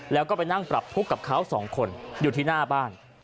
แล้วก็ไปนั่งปรับทุกข์กับเขาสองคนอยู่ที่หน้าบ้าน